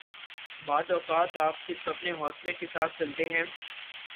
بعض اوقات آپ صرف اپنے حوصلہ کے ساتھ چلتے ہیں